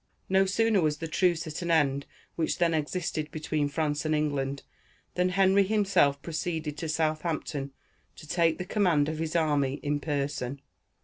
No sooner was the truce at an end which then existed between France and England, than Henry himself proceeded to Southampton to take the command of his army in person.